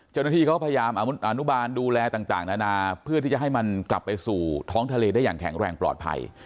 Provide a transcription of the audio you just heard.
เจ้าหน้าที่เขาพยายามอนุบาลดูแลต่างนานาเพื่อที่จะให้มันกลับไปสู่ท้องทะเลได้อย่างแข็งแรงปลอดภัย